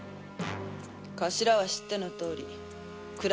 頭は知ってのとおり暗